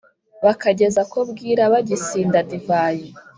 bakageza ko bwira bagisinda divayi.